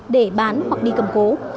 để bán hoặc đi cầm cố